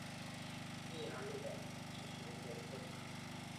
密肋粗饰蚶是魁蛤目魁蛤科粗饰蚶属的一种。